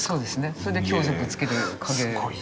それで強弱つけてる影。